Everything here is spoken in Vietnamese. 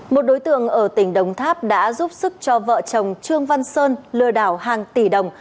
một đối tượng ở tỉnh đồng tháp đã giúp sức cho vợ chồng trương văn sơn lừa đảo hàng tỷ đồng